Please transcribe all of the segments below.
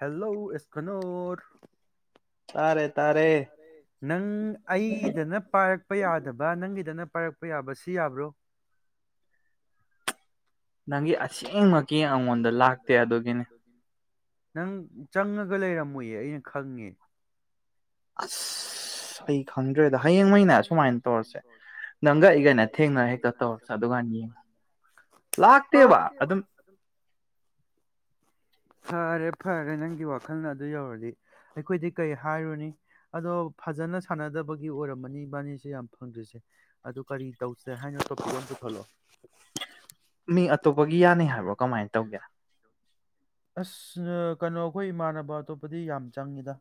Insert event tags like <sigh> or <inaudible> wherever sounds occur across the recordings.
hello ꯀꯅꯣꯔ ꯅꯪ ꯑꯩꯒꯤꯗꯅ ꯄꯥꯏꯔꯛꯄ ꯌꯥꯗꯕ ꯅꯪꯒꯤꯗꯅ ꯄꯥꯏꯔꯛꯄ ꯌꯥꯕ ꯁꯤ ꯌꯥꯕ꯭ꯔꯣ ꯅꯪꯒꯤ ꯁꯤꯦꯡꯃꯛꯀꯤ ꯑꯩꯉꯣꯟꯗ ꯂꯥꯛꯇꯦ ꯑꯗꯨꯒꯤꯅꯤ ꯅꯪ ꯆꯪꯉꯒ ꯂꯩꯔꯝꯃꯣꯏꯌꯦ ꯑꯩꯅ ꯈꯪꯉꯦ ꯑꯁ ꯈꯪꯗ꯭ꯔꯦꯗ ꯍꯌꯦꯡꯉꯩꯅ ꯁꯨꯃꯥꯏꯅ ꯇꯧꯔꯁꯦ ꯅꯪꯒꯛꯏꯈꯩꯅ ꯊꯦꯡꯅꯔ ꯍꯦꯛꯇ ꯇꯧꯔꯁꯦ ꯑꯗꯨꯒꯀꯥꯟ ꯌꯦꯡꯉꯣ ꯂꯥꯛꯇꯦꯕ ꯑꯗꯨꯝ ꯐꯔꯦ ꯐꯔꯦ ꯅꯪꯒꯤ ꯋꯥꯈꯜꯅ ꯑꯗꯨ ꯌꯧꯔꯗꯤ ꯑꯩꯈꯣꯏꯗꯤ ꯀꯩ ꯍꯥꯏꯔꯨꯅꯤ ꯑꯗꯣ ꯐꯖꯅ ꯁꯥꯟꯅꯗꯕ ꯒꯤ ꯑꯣꯏꯔꯝꯃꯅꯤ ꯃꯥꯅꯤꯁ ꯌꯥꯝ ꯐꯪꯗ꯭ꯔꯤꯁꯦ ꯑꯗꯨ ꯀꯔꯤ ꯇꯧꯁꯦ ꯍꯥꯏꯅ ꯇ꯭ꯔꯣꯄꯤꯛ ꯑꯃ ꯄꯨꯈꯠꯂꯛꯑꯣ ꯃꯤ ꯑꯇꯣꯞꯄꯒꯤ ꯌꯥꯅꯤ ꯍꯥꯏꯕ꯭ꯔꯣ ꯀꯃꯥꯏꯅ ꯇꯧꯒꯦ ꯑꯁ ꯀꯩꯅꯣ ꯑꯩꯈꯣꯏ ꯏꯃꯥꯟꯅꯕ ꯑꯇꯣꯞꯄꯗꯤ ꯌꯥꯝ ꯆꯪꯉꯤꯗ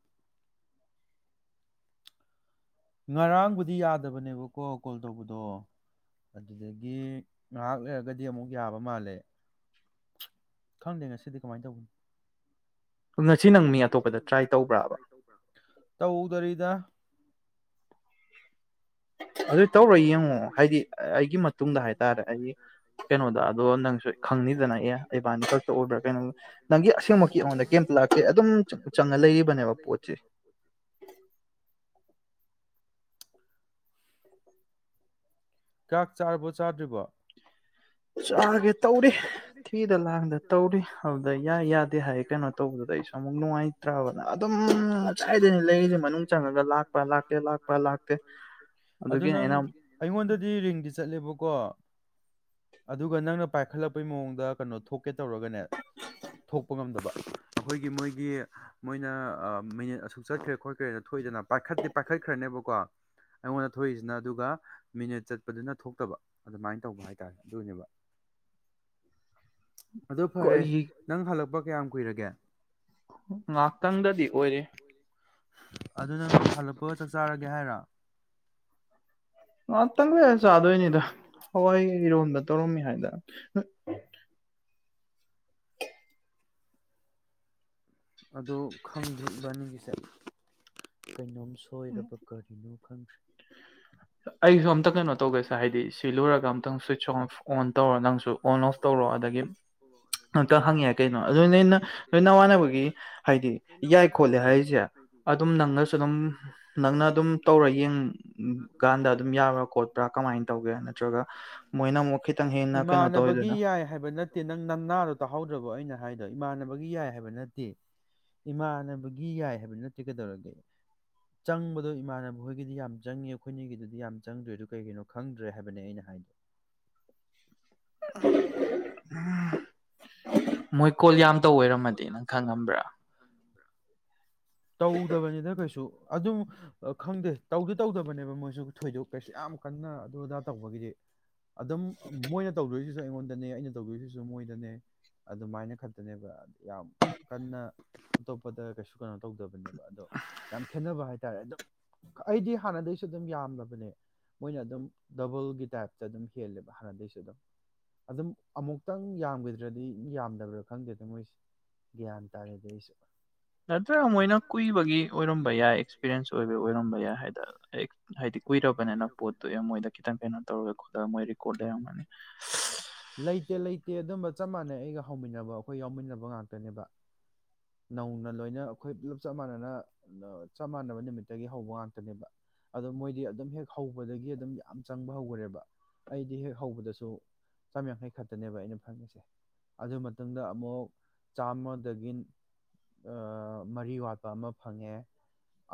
ꯉꯔꯥꯡꯕꯨꯗꯤ ꯌꯥꯗꯕꯅꯦꯕꯀꯣ ꯀꯣꯜ ꯇꯧꯕꯗꯣ ꯑꯗꯨꯗꯒꯤ ꯉꯥꯏꯍꯥꯛ ꯂꯩꯔꯒꯗꯤ ꯑꯃꯨꯛ ꯌꯥꯕ ꯃꯥꯜꯂꯦ ꯈꯪꯗꯦ ꯉꯁꯤꯗꯤ ꯀꯃꯥꯏꯅ ꯇꯧꯕꯅꯣ ꯇꯧꯗꯔꯤꯗ ꯑꯗꯨ ꯇꯧꯔ ꯌꯦꯡꯉꯣ ꯍꯥꯏꯗꯤ ꯑꯩꯒꯤ ꯃꯇꯨꯡꯗ ꯍꯥꯏꯇꯥꯔꯦ ꯑꯩ ꯀꯩꯅꯣꯗ ꯑꯗꯣ ꯅꯪꯁꯨ ꯈꯪꯅꯤꯗꯅ ꯑꯦ ꯏꯕꯥꯅꯤ ꯈꯛꯇ ꯑꯣꯏꯕ꯭ꯔꯥ ꯀꯩꯅꯣ ꯅꯪꯒꯤ ꯑꯁꯦꯡꯃꯛꯀꯤ ꯑꯩꯉꯣꯟꯗ ꯀꯩꯝꯇ ꯂꯥꯛꯇꯦ ꯑꯗꯨꯝ ꯆꯪꯉ ꯂꯩꯔꯤꯕꯅꯦꯕ ꯄꯣꯠꯁꯦ ꯀꯥꯛ ꯆꯥꯔꯕꯣ ꯆꯥꯗ꯭ꯔꯤꯕꯣ ꯆꯥꯒꯦ ꯇꯧꯔꯤ ꯊꯤꯗ ꯂꯥꯡꯗ ꯇꯧꯔꯤ ꯑꯗꯨꯗ ꯌꯥꯏ ꯌꯥꯗꯦ ꯍꯥꯏ ꯀꯩꯅꯣ ꯆꯠꯂꯦꯕꯀꯣ ꯑꯗꯨꯒ ꯅꯪꯅ ꯄꯥꯏꯈꯠꯂꯛꯄꯩ ꯃꯑꯣꯡꯗ ꯀꯩꯅꯣ ꯊꯣꯛꯀꯦ ꯇꯧꯔꯒꯅꯦ ꯊꯣꯛꯄ ꯉꯝꯗꯕ ꯑꯈꯣꯏꯒꯤ ꯃꯣꯏꯒꯤ ꯃꯣꯏꯅ ꯃꯤꯅꯤꯠ ꯑꯁꯨꯛ ꯆꯠꯈ꯭ꯔꯦ ꯈꯣꯠꯈ꯭ꯔꯦꯅ ꯊꯣꯛꯏꯗꯅ ꯄꯥꯏꯈꯠꯇꯤ ꯄꯥꯏꯈꯠꯈ꯭ꯔꯅꯦꯕꯀꯣ ꯑꯩꯉꯣꯟꯗ ꯊꯣꯛꯏꯖꯤꯅ ꯑꯗꯨꯒ ꯃꯤꯅꯤꯠ ꯆꯠ ꯑꯗꯨ ꯐꯔꯦ ꯅꯪ ꯍꯜꯂꯛꯄ ꯀꯌꯥꯝ ꯀꯨꯏꯔꯒꯦ ꯉꯥꯛꯇꯪꯗꯗꯤ ꯑꯣꯏꯔꯤ ꯑꯗꯨ ꯅꯪ ꯍꯜꯂꯛꯄꯒ ꯆꯥꯛ ꯆꯥꯔꯒꯦ ꯍꯥꯏꯔ ꯉꯥꯇꯪ ꯂꯩꯔꯥ ꯆꯥꯗꯣꯏꯅꯤꯗ ꯍꯋꯥꯏ ꯏꯔꯣꯟꯕ ꯇꯧꯔꯝꯃꯤ ꯍꯥꯏꯗ ꯑꯗꯣ ꯈꯪꯗꯔ꯭ꯦ ꯏꯕꯥꯅꯤꯒꯤꯁꯦ ꯀꯩꯅꯣꯝ ꯁꯣꯏꯔꯕ ꯀꯔꯤꯅꯣ ꯈꯪꯗꯔ꯭ꯦ ꯑꯩꯖꯨ ꯑꯝꯇ ꯀꯩꯅꯣ ꯇꯧꯒꯦꯁꯦ ꯍꯥꯏꯗꯤ ꯁꯤ ꯂꯣꯏꯔꯒ ꯑꯝꯇꯪ ꯁ꯭ꯋꯤꯠꯆ ꯑꯣꯐ ꯑꯣꯟ ꯇꯧꯔꯣ ꯅꯪꯁꯨ ꯑꯣꯟ ꯑꯣꯐ ꯇꯧꯔꯣ ꯑꯗꯒꯤ ꯑꯝꯇ ꯍꯪꯌꯥꯏ ꯀꯩꯅꯣ ꯑꯗꯨ ꯅ ꯅꯣꯏ ꯅꯃꯥꯟꯅꯕꯒꯤ ꯍꯥꯏꯗꯤ ꯌꯥꯏ ꯈꯣꯠꯂꯦ ꯍꯥꯏꯖꯦ ꯑꯗꯨꯝ ꯅꯪꯅꯁꯨ ꯑꯗꯨꯝ ꯅꯪꯅ ꯑꯗꯨꯝ ꯇꯧꯔ ꯌꯦꯡ ꯏꯃꯥꯟꯅꯕꯒꯤ ꯌꯥꯏ ꯍꯥꯏꯕ ꯅꯠꯇꯦ ꯅꯪ ꯅꯅꯥꯗꯣ ꯇꯥꯍꯧꯗ꯭ꯔꯕꯣ ꯑꯩꯅ ꯍꯥꯏꯗ ꯏꯃꯥꯟꯅꯕꯒꯤ ꯌꯥꯏ ꯍꯥꯏꯕ ꯅꯠ ꯇꯦ ꯏꯃꯥꯟꯅꯕꯒꯤ ꯌꯥꯏ ꯍꯥꯏꯕ ꯅꯠꯇꯦ ꯀꯩꯗꯧꯔꯒꯦ ꯆꯪꯕꯗꯣ ꯏꯃꯥꯟꯅꯕ ꯍꯣꯏꯒꯤꯗꯤ ꯌꯥꯝ ꯆꯪꯉꯦ ꯑꯩꯈꯣꯏꯅꯤꯒꯤꯗꯨꯗꯤ ꯌꯥꯝ <inaudible> <unintelligible> ꯃꯣꯏ ꯀꯣꯜ ꯌꯥꯝ ꯇꯧ ꯑꯣꯏꯔꯝꯃꯗꯤ ꯅꯪ ꯈꯪꯉꯝꯕ꯭ꯔꯥ ꯇꯧꯗꯕꯅꯤꯗ ꯀꯩꯁꯨ ꯑꯗꯨꯝ ꯈꯪꯗꯦ ꯇꯧꯗꯤ ꯇꯧꯗꯕꯅꯦꯕ ꯃꯣꯏꯁꯨ ꯊꯣꯏꯗꯣꯛ ꯀꯩꯁꯨ ꯌꯥꯝ ꯀꯟꯅ ꯑꯗꯨ ꯑꯗꯥ ꯇꯧꯕꯒꯤꯗꯤ ꯑꯗꯨꯝ ꯃꯣꯏꯅ ꯇꯧꯗꯣꯏꯁꯤꯁꯨ ꯑꯩꯉꯣꯟꯗꯅꯦ ꯑꯩꯅ ꯇꯧꯗꯣꯏꯁꯤꯁꯨ ꯈꯠꯇꯅꯦꯕ ꯌꯥꯝ ꯀꯟꯅ ꯑꯇꯣꯞꯄꯗ ꯀꯩꯁꯨ ꯀꯩꯅꯣ ꯇꯧꯗꯕꯅꯦꯕ ꯑꯗꯣ ꯌꯥꯝ ꯈꯦꯠꯅꯕ ꯍꯥꯏꯇꯥꯔꯦ ꯑꯗꯨꯝ ꯑꯩꯗꯤ ꯍꯥꯟꯅꯗꯩꯁꯨ ꯑꯗꯨꯝ ꯌꯥꯝꯗꯕꯅꯦ ꯃꯣꯏꯅ ꯑꯗꯨꯝ ꯗꯕꯜꯒꯤ ꯇꯥꯏꯞꯇ ꯑꯗꯨꯝ ꯍꯦꯜꯂꯦꯕ ꯍꯥꯟꯅꯗꯩꯁꯨ ꯑꯗꯨꯝ ꯑꯗꯨꯝ ꯑꯃꯨꯛꯇꯪ ꯌꯥꯝꯒꯤꯗ꯭ꯔꯗꯤ ꯌꯥꯝꯗꯕ꯭ꯔꯥ ꯈꯪꯗꯦꯗ ꯃꯣꯏꯖꯤ ꯒ꯭ꯌꯥꯟ ꯇꯥꯗꯦꯗ ꯑꯩꯁꯨ ꯅꯠꯇ꯭ꯔꯒ ꯃꯣꯏꯅ ꯀꯨꯏꯕꯒꯤ ꯑꯣꯏꯔꯝꯕ ꯌꯥꯏ ꯑꯦꯛꯁꯄꯤꯔꯦꯟꯁ ꯑꯣꯏꯕꯩ ꯑꯣꯏꯔꯝꯕ ꯌꯥꯏ ꯍꯥꯏ ꯍꯥꯏꯗꯤ ꯀꯨꯏꯔꯕꯅꯦꯅ ꯄꯣꯠꯇꯨ ꯑꯦ ꯃꯣꯏꯗ ꯈꯤꯇꯪ ꯀꯩꯅꯣ ꯇꯧꯔ ꯃꯣꯏ ꯔꯦꯀꯣꯗ ꯂꯩꯔꯝꯒꯅꯤ ꯂꯩꯇꯦ ꯂꯩꯇꯦ ꯑꯗꯨꯝꯕ ꯆꯞ ꯃꯥꯟꯅꯩ ꯑꯩꯒ ꯍꯧꯃꯤꯟꯅꯕ ꯑꯈꯣꯏ ꯌꯥꯎꯃꯤꯟꯅꯕ ꯉꯥꯛꯇꯅꯦꯕ ꯅꯧꯅ ꯂꯣꯏꯅ ꯑꯈꯣꯏ ꯄꯨꯂꯞ ꯆꯞ ꯃꯥꯟꯅꯅ ꯆꯞ ꯃꯥꯟꯅꯕ ꯅꯨꯃꯤꯠꯇꯒꯤ ꯍꯧꯕ ꯉꯥꯛꯇꯅꯦꯕ ꯑꯗꯣ ꯃꯣꯏꯗꯤ ꯑꯗꯨꯝ ꯍꯦꯛ ꯍꯧꯕꯗꯒꯤ ꯑꯗꯨꯝ ꯌꯥꯝ ꯆꯪꯕ ꯍꯧꯒꯔꯦꯕ ꯑꯩꯗꯤ ꯍꯦꯛ ꯍꯧꯕꯗꯁꯨ ꯆꯥꯝꯃ ꯌꯥꯡꯈꯩ ꯈꯇꯅꯦꯕ ꯑꯩꯅ ꯐꯪꯉꯤꯁꯦ ꯑꯗꯨ ꯃꯇꯨꯡꯗ ꯑꯃꯨꯛ ꯑꯥ ꯃꯔꯤ ꯋꯥꯠꯄ ꯑꯃ ꯐꯪꯉꯦ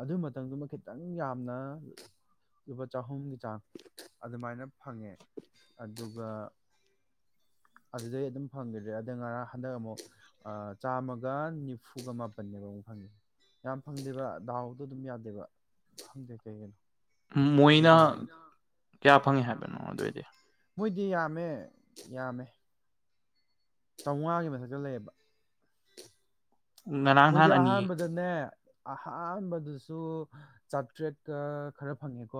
ꯑꯗꯨ ꯃꯊꯪꯪꯗꯨꯃ ꯈꯤꯇꯪ ꯌꯥꯝꯅ ꯂꯨꯄꯥ ꯆꯍꯨꯝꯒꯤ ꯆꯥꯡ ꯑꯗꯨꯃꯥꯏꯅ ꯐꯪꯉꯦ ꯑꯗꯨꯒ ꯑꯗꯨꯗꯩ ꯑꯗꯨꯝ ꯐꯪꯒꯤꯗ꯭ꯔꯦ ꯑꯗ ꯉꯔꯥꯡ ꯍꯟꯗꯛ ꯑꯃꯨꯛ ꯑꯥ ꯆꯥꯝꯃꯒ ꯅꯤꯐꯨꯒ ꯃꯥꯄꯟꯅꯦꯕ ꯑꯃꯨꯛ ꯐꯪꯉꯤ ꯌꯥꯝ ꯐꯪꯗꯦꯕ ꯗꯥꯎꯗꯣ ꯑꯗꯨꯝ ꯌꯥꯗꯦꯕ ꯈꯪꯗꯦ ꯀꯩꯒꯤꯅꯣ ꯃꯣꯌꯅꯥ ꯀꯌꯥ ꯈꯪꯉꯦ ꯍꯥꯏꯕꯅꯣ ꯑꯗꯨꯑꯣꯏꯗꯤ ꯃꯤ ꯌꯥꯝꯃꯦ ꯌꯥꯝꯃꯦ ꯆꯧꯉꯥꯒꯤ ꯃꯊꯛꯇ ꯂꯩꯌꯦꯕ ꯃꯣꯏꯗꯤ ꯑꯍꯥꯟꯕꯗꯅꯦ ꯑꯍꯥꯟꯕꯗꯁꯨ ꯆꯥꯇ꯭ꯔꯦꯠꯀ ꯈꯔ ꯐꯪꯉꯦꯀꯣ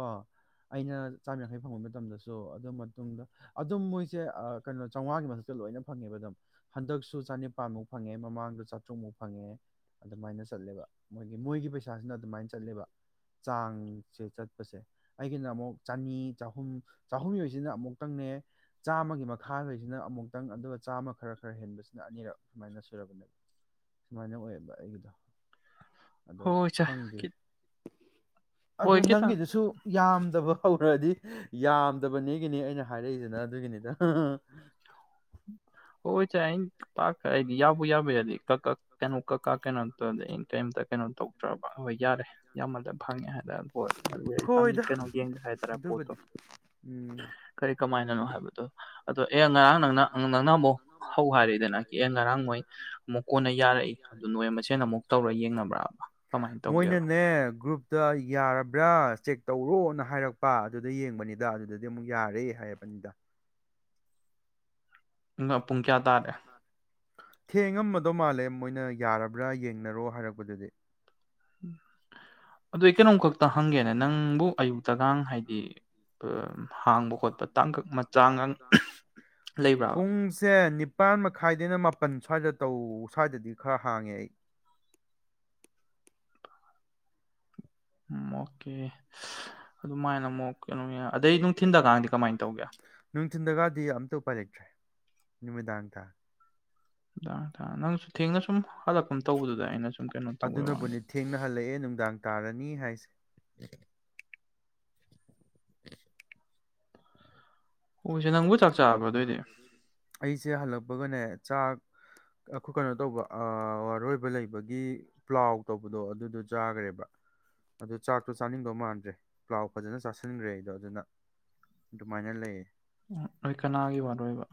ꯑꯩꯅ ꯆꯥꯝꯃ ꯌꯥꯡꯈꯩ ꯐꯪꯕ ꯃꯇꯝꯗꯁꯨ ꯑꯗꯨ ꯃꯇꯨꯡꯗ ꯑꯗꯨꯝ ꯃꯣꯏꯁꯦ ꯑꯥ ꯀꯩꯅꯣ ꯆꯧꯉꯥꯒꯤ ꯃꯊꯛꯇ ꯂꯣꯏꯅ ꯐꯪꯉꯦꯕ ꯑꯗꯨꯝ ꯍꯟꯗꯛꯁꯨ ꯆꯅꯤꯄꯥꯟꯃꯨꯛ ꯐꯪꯉꯦ ꯃꯃꯥꯡꯗ ꯆꯥꯇ꯭ꯔꯨꯛꯃꯨꯛ ꯐꯪꯉꯦ ꯑꯗꯨꯃꯥꯏꯅ ꯆꯠꯂꯦꯕ ꯃꯣꯏꯒꯤ ꯃꯣꯏꯒꯤ ꯄꯩꯁꯥꯁꯤꯅ ꯑꯗꯨꯃꯥꯏꯅ ꯆꯠꯂꯦꯕ ꯆꯥꯡꯁꯦ ꯆꯠꯄꯁꯦ ꯑꯩꯒꯤꯅ ꯑꯃꯨꯛ ꯆꯅꯤ ꯆꯍꯨꯝ ꯆꯍꯨꯝ ꯌꯧꯏꯁꯤꯅ ꯑꯃꯨꯛꯇꯪꯅꯦ ꯆꯥꯝꯃꯒꯤ ꯃꯈꯥꯗꯩꯁꯤꯅ ꯑꯃꯨꯛꯇꯪ ꯑꯗꯨꯒ ꯆꯥꯝꯃ ꯈꯔ ꯈꯔ ꯍꯦꯟꯕꯁꯤꯅ ꯑꯅꯤꯔꯛ ꯁꯨꯃꯥꯏꯅ ꯁꯨꯔꯕꯅꯦꯕ ꯁꯨꯃꯥꯏꯅ ꯑꯣꯏꯌꯦꯕ ꯑꯩꯒꯤꯗꯣ ꯑꯗꯣ ꯈꯪꯗꯦ ꯑꯗꯨ ꯅꯪꯒꯤꯗꯨꯁꯨ ꯌꯥꯝꯗꯕ ꯍꯧꯔꯛꯑꯗꯤ ꯌꯥꯝꯗꯕꯅꯦꯒꯤꯅꯤꯅꯦ ꯑꯩꯅ ꯍꯥꯏꯔꯛꯏꯖꯤꯅ ꯑꯗꯨꯒꯤꯅꯤꯗ ꯑꯥꯍꯥ ꯍꯥ ꯍꯣꯏꯆꯦ ꯑꯩꯟ ꯄꯥꯛ ꯑꯥꯏꯗꯤ ꯌꯥꯎꯕ ꯌꯥꯕ ꯌꯥꯗꯤ ꯀꯛ ꯀꯛ ꯀꯩꯅꯣ ꯀꯛ ꯀꯥ ꯀꯩꯅꯣ ꯇꯧꯗꯤ ꯑꯩꯅ ꯀꯔꯤꯝꯇ ꯀꯩꯅꯣ ꯇꯧꯗ꯭ꯔꯕ ꯍꯣꯏ ꯌꯥꯔꯦ ꯌꯥꯝꯃꯗ ꯐꯪꯉꯦ ꯍꯥꯏ ꯑꯝ ꯍꯣꯏ ꯑꯗꯨ ꯑꯣꯏ ꯁꯝ ꯀꯩꯅꯣ ꯌꯦꯡꯒꯦ ꯍꯥꯏꯇꯥꯔ ꯄꯣꯠꯇꯣ ꯀꯔꯤ ꯀꯃꯥꯏꯅꯅꯣ ꯍꯥꯏꯕꯗꯣ ꯑꯦ ꯑꯉꯥꯡ ꯅꯪꯅ ꯃꯣꯏꯅꯅꯦꯒ꯭ꯔꯨꯞ <inaudible> ꯇ ꯌꯥꯔꯕ꯭ꯔꯥ ꯆꯦꯛ ꯇꯧꯔꯣꯅ ꯍꯥꯏꯔꯛꯄ ꯑꯗꯨꯗ ꯌꯦꯡꯕꯅꯤꯗ ꯑꯗꯨꯗꯗꯤ ꯑꯃꯨꯛ ꯌꯥꯔꯦ ꯍꯥꯏꯔꯕꯅꯤꯗ ꯉꯞ ꯀꯌꯥ ꯇꯥꯔꯦ ꯊꯦꯡꯉꯝꯃꯗꯧ ꯃꯥꯜꯂꯦ ꯃꯣꯏꯅ ꯌꯥꯔꯕ꯭ꯔꯥ ꯌꯦꯡꯅꯔꯣ ꯍꯥꯏꯔꯛꯄꯗꯨꯗꯤ ꯎꯝ ꯄꯨꯡꯁꯦ ꯅꯤꯄꯥꯜ ꯃꯈꯥꯏꯗꯩꯅ ꯃꯥꯄꯜ ꯁ꯭ꯋꯥꯏꯗ ꯇꯕꯧ ꯁ꯭ꯋꯥꯏꯗꯗꯤ ꯈꯔ ꯍꯥꯡꯉꯦ ꯑꯩ ꯎꯝꯑꯣꯀꯦ ꯑꯗꯨꯃꯥꯏꯅ ꯑꯃꯨꯛ ꯀꯩꯅꯣ ꯃꯌꯥ ꯑꯗꯩꯩ ꯅꯨꯡꯊꯤꯟꯗ ꯀꯥꯡꯗꯤ ꯀꯃꯥꯏ ꯇꯧꯒꯦ ꯅꯨꯡꯊꯤꯜꯗꯒꯥꯗꯤ ꯑꯝꯇ ꯎꯄꯥꯏ ꯂꯩꯇ꯭ꯔꯦ ꯅꯨꯃꯤꯗꯥꯡꯇ ꯅꯨꯝꯗꯥꯡ ꯇꯥ ꯅꯪꯖꯨ ꯊꯦꯡꯅ ꯁꯨꯝ ꯑꯗꯨꯅꯕꯨꯅꯤ ꯊꯦꯡꯅ ꯍꯜꯂꯛꯑꯦ ꯅꯨꯡꯗꯥꯡ ꯇꯥꯔꯅꯤ ꯍꯥꯏꯁꯦ ꯅꯪꯕꯨ ꯆꯥꯛ ꯆꯥꯔꯕꯣ ꯑꯗꯨꯑꯣꯏꯗꯤ ꯑꯩꯁꯦ ꯍꯜꯂꯛꯄꯒꯅꯦ ꯆꯥꯛ ꯑꯈꯣꯏ ꯀꯩꯅꯣ ꯇꯧꯕ ꯑꯥ ꯋꯥꯔꯣꯏꯕ ꯂꯩꯕꯒꯤ ꯄ꯭ꯂꯥꯎ ꯇꯧꯕꯗꯣ ꯑꯗꯨꯗꯣ ꯆꯥꯔꯦꯕ ꯑꯗꯨ ꯆꯥꯛꯇꯣ ꯆꯥꯅꯤꯡꯗꯧ ꯃꯥꯟꯗ꯭ꯔꯦ ꯄ꯭ꯂꯥꯎ ꯐꯖꯅ ꯆꯥꯁꯤꯟꯈ꯭ꯔꯦ ꯑꯩꯗꯣ ꯑꯗꯨꯅ ꯑꯗꯨꯃꯥꯏꯅ ꯂꯩꯌꯦ ꯅꯣꯏ ꯀꯅꯥꯒꯤ ꯋꯥꯔꯣꯏꯕ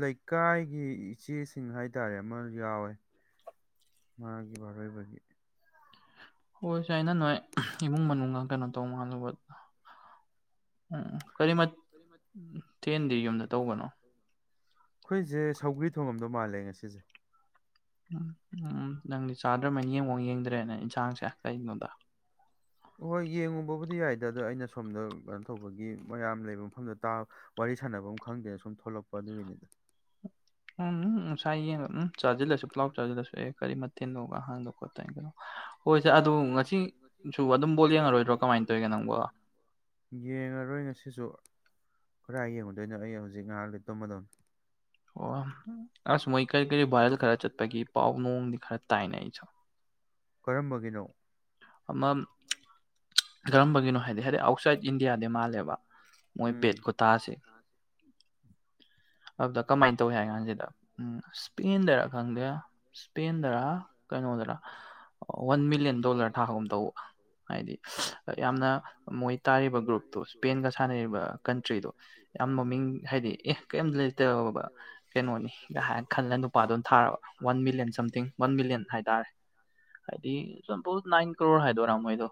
ꯂꯩꯀꯥꯏꯒꯤ ꯏꯆꯦꯁꯤꯡ ꯍꯥꯏꯇꯥꯔꯦ ꯑꯃ ꯌꯥꯎꯋꯦ ꯃꯥꯒꯤ ꯋꯥꯔꯣꯏꯕꯒꯤ ꯍꯣꯏꯁꯦ ꯑꯩꯅ ꯅꯣꯏ ꯏꯃꯨꯡ ꯃꯅꯨꯡ ꯉꯥꯛ ꯀꯩꯅꯣ ꯇꯧ ꯃꯥꯥꯜꯂꯨꯕ ꯎꯝ ꯎꯝ ꯀꯔꯤ ꯃꯠ ꯊꯦꯟꯗꯤ ꯌꯨꯝꯗ ꯇꯧꯕꯅꯣ ꯈꯣꯏꯖꯦ ꯁꯧꯒ꯭ꯔꯤ ꯊꯣꯡꯉꯝꯗꯧ ꯃꯥꯜꯂꯦ ꯉꯁꯤꯖꯦ ꯎꯝ ꯎꯝ ꯅꯪꯗꯤ ꯆꯥꯗ꯭ꯔꯃꯟ ꯌꯦꯡꯉꯣ ꯌꯦꯡꯗ꯭ꯔꯦꯅꯦ ꯏꯟꯁꯥꯡꯁꯦ ꯀꯒꯤꯅꯣꯗ ꯍꯣꯏ ꯌꯦꯡꯉꯨꯕꯕꯨꯗꯤ ꯌꯥꯏꯗ ꯑꯗꯣ ꯑꯩꯅ ꯁꯣꯝꯗ ꯀꯩꯅꯣ ꯇꯧꯕꯒꯤ ꯃꯌꯥꯝ ꯂꯩꯕ ꯃꯐꯝꯗꯥ ꯇꯥ ꯋꯥꯔꯤ ꯁꯥꯟꯅꯕꯝ ꯑꯃ ꯈꯪꯗꯦꯅ ꯁꯨꯝ ꯊꯣꯛꯂꯛꯄ ꯑꯗꯨꯒꯤꯅꯤꯗ ꯎꯝ ꯉꯥꯁꯥꯏ ꯌꯦꯡꯉ ꯎꯝ ꯆꯥꯖꯤꯜꯂꯁꯨ ꯄ꯭ꯂꯥꯎ ꯆꯥꯖꯤꯜꯂꯁꯨ ꯑꯦ ꯀꯔꯤ ꯃꯠ ꯀꯦꯅꯣꯒ ꯍꯥꯡꯗꯣꯛꯄ <unintelligible> ꯌꯦꯡꯉꯔꯣꯏ ꯉꯁꯤꯁꯨ ꯀꯔꯥꯏ ꯌꯦꯡꯉꯨꯗꯣꯏꯅꯣ ꯑꯩ ꯍꯧꯖꯤꯛ ꯉꯥꯍꯥꯛ ꯂꯩ ꯇꯨꯝꯃꯗꯧꯅꯤ ꯑꯣ ꯑꯁ ꯃꯣꯏ ꯀꯔꯤ ꯀꯔꯤ ꯚꯥꯔꯦꯜ ꯈꯔ ꯆꯠꯄꯒꯤ ꯄꯥꯎ ꯅꯣꯡꯗꯤ ꯈꯔ ꯇꯥꯏꯅꯦ ꯑꯩꯖꯨ ꯀꯔꯝꯕꯒꯤꯅꯣ ꯑꯃꯝ ꯀꯔꯝꯕꯒꯤꯅꯣ ꯍꯥꯏꯗꯤ ꯍꯥꯏꯗꯤ ꯑꯥꯎꯠꯁꯥꯏꯠ ꯏꯟꯗꯤꯌꯥꯗꯤ ꯃꯥꯜꯂꯦꯕ ꯃꯣꯏ ꯕꯦꯠ ꯈꯨꯇꯥꯥꯁꯦ ꯑꯗꯨꯗ ꯀꯃꯥꯏ ꯇꯧꯏꯤ ꯍꯥꯏ ꯀꯥꯟꯖꯤꯗ ꯎꯝ ꯁ꯭ꯄꯦꯟꯗꯔ ꯈꯪꯗꯦ ꯁ꯭ꯄꯦꯟꯗꯔ ꯀꯩꯅꯣꯗꯔ ꯋꯥꯟ ꯃꯤꯂꯤꯌꯟ ꯗꯣꯂꯔ <unintelligible> ꯍꯥꯏꯗꯤ ꯌꯥꯝꯅ ꯃꯣꯏ ꯇꯥꯔꯤꯕ ꯒ꯭ꯔꯨꯞꯇꯣ ꯁ꯭ꯄꯦꯟꯒ ꯁꯥꯟꯅꯔꯤꯕ ꯀꯟꯇ꯭ꯔꯤꯗꯣ ꯌꯥꯝ ꯃꯃꯤꯡ ꯍꯥꯏꯗꯤ ꯑꯦ ꯀꯩꯏꯝ ꯂꯩ <unintelligible> ꯀꯩꯅꯣꯅꯤꯒ ꯍꯥꯏꯅ ꯈꯜꯂ ꯅꯨꯄꯥꯗꯨꯅ ꯊꯥꯔꯕ one million something one million ꯍꯥꯏꯇꯥꯔꯦ ꯍꯥꯏꯗꯤ ꯁꯄꯣꯁ ꯅꯥꯏꯟ ꯀꯔꯣꯔ ꯍꯥꯏꯗꯣꯔꯥ ꯃꯣꯏꯗꯣ